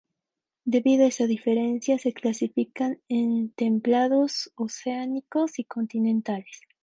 Debido a esa diferencia, se clasifican en templados oceánicos y continentales.